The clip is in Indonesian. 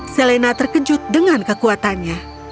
selena terkejut dengan kekuatannya